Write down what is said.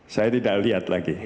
saya tidak lihat lagi